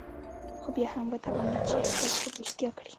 خو بيا هم وتوانېد چې خپل خوب رښتيا کړي.